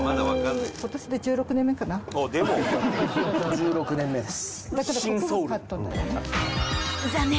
１６年目です。